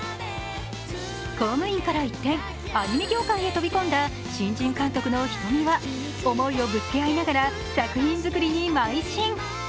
公務員から一転、アニメ業界へ飛び込んだ新人監督の瞳は、思いをぶつけ合いながら作品作りにまい進。